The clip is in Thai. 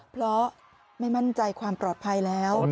เพราะไม่มั่นใจความปลอดภัยแล้ว